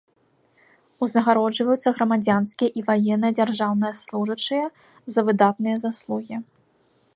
Узнагароджваюцца грамадзянскія і ваенныя дзяржаўныя служачыя за выдатныя заслугі.